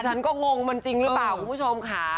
ฉันก็งงมันจริงหรือเปล่าคุณผู้ชมค่ะ